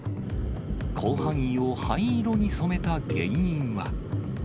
広範囲を灰色に染めた原因は。